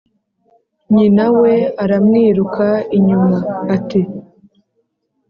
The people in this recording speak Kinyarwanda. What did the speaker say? nyina na we aramwiruka inyuma ati